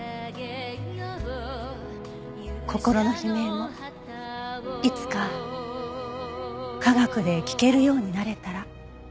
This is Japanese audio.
心の悲鳴もいつか科学で聞けるようになれたら。